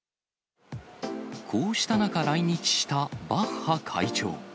こうした中、来日したバッハ会長。